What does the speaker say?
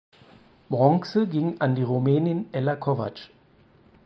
Bronze ging an die Rumänin Ella Kovacs.